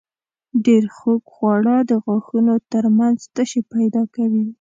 ډېر خوږ خواړه د غاښونو تر منځ تشې پیدا کوي.